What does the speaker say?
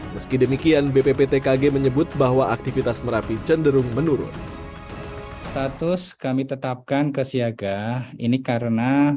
meski demikian bpptkg menyebut bahwa aktivitas merapi cenderung menurun